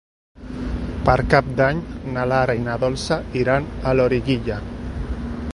Per Cap d'Any na Lara i na Dolça iran a Loriguilla.